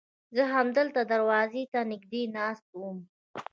زه همدلته دروازې ته نږدې ناست وم.